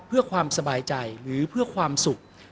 เพื่อความสบายใจหรือเพื่อความสุข